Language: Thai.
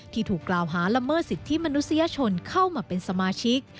ถูกกล่าวหาละเมิดสิทธิมนุษยชนเข้ามาเป็นสมาชิก